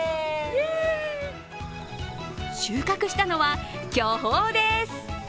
収穫したのは巨峰です。